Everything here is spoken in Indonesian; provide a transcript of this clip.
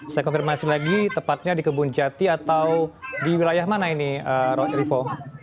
saya konfirmasi lagi tepatnya di kebun jati atau di wilayah mana ini rivo